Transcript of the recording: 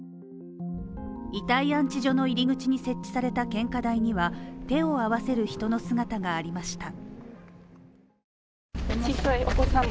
遺体安置所の入り口に設置された献花台には手を合わせる人の姿がありました。